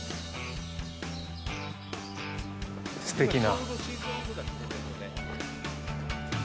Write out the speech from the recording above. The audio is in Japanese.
すてきな。